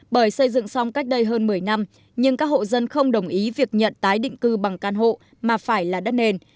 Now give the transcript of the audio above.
bởi xây dựng xong cách đây hơn một mươi năm nhưng các hộ dân không đồng ý việc nhận tái định cư bằng căn hộ mà phải là đất nền